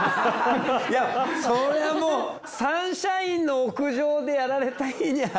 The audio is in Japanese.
いやそれはもうサンシャインの屋上でやられた日にゃ。